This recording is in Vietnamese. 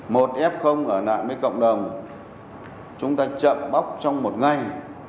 một f ở nạn với cộng đồng chúng ta chậm bóc trong một ngay